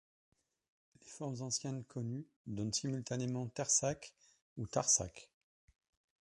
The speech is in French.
Les formes anciennes connues donnent simultanément Tersac ou Tarsac.